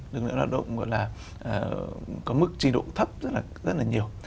lực lượng lao động có mức trí độ thấp rất là nhiều